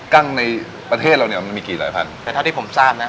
ั้งในประเทศเราเนี่ยมันมีกี่หลายพันแต่เท่าที่ผมทราบนะ